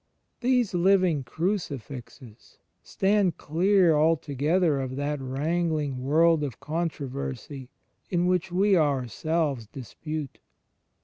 These living crucifixes stand clear altogether of that wrangling world of controversy in which we ourselves dispute.